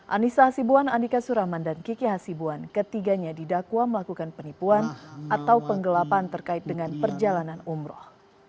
anissa hasibuan andika suraman dan kiki hasibuan ketiganya didakwa melakukan penipuan atau penggelapan terkait dengan perjalanan umroh